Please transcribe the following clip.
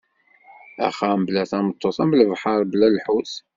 Axxam bla tameṭṭut am lebḥer bla lḥut.